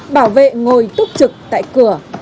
bảo vệ ngồi túc trực tại cửa